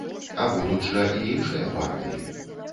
А будуць жа і іншыя партыі.